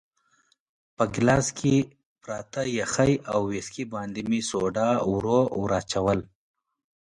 په ګیلاس کې پراته یخي او ویسکي باندې مې سوډا ورو وراچول.